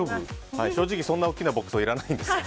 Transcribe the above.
正直、そんな大きなボックスはいらないんですが。